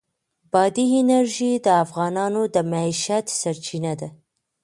بادي انرژي د افغانانو د معیشت سرچینه ده.